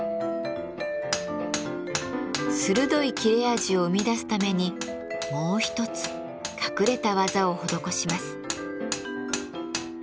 鋭い切れ味を生み出すためにもう一つ隠れた技を施します。